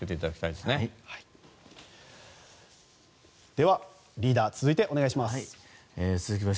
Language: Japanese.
ではリーダー続いて、お願いします。